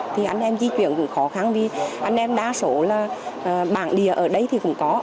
thì anh em di chuyển cũng khó khăn vì anh em đa số là bảng địa ở đây thì cũng có